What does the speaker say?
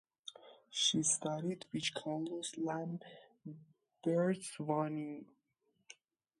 She studied with Carolus Lambertus Waning.